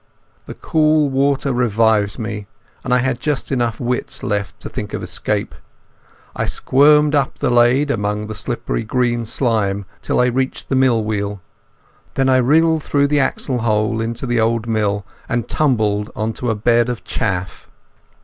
The cool water revived me, and I had just enough wits left to think of escape. I squirmed up the lade among the slippery green slime till I reached the mill wheel. Then I wriggled through the axle hole into the old mill and tumbled on to a bed of chaff.